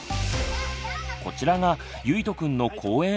こちらがゆいとくんの公園